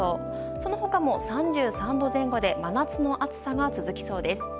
そのほかも３３度前後で、真夏の暑さが続きそうです。